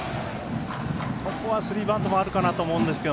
ここはスリーバントもあるかなと思うんですが。